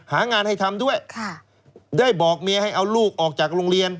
หางานให้ทำด้วยค่ะได้บอกเมียให้เอาลูกออกจากโรงเรียน